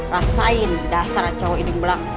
rasain dasar cowok ini yang belang